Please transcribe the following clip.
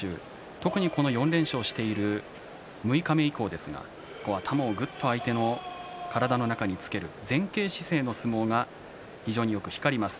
特に４連勝している六日目以降ですが頭をぐっと相手の体の中につける前傾姿勢の相撲が非常によく光ります。